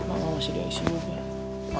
emang mau sediain semua ya